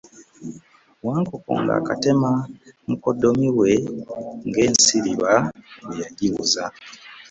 Wankoko ng’akatema mukoddomi we ng’ensiriba bwe yagibuza.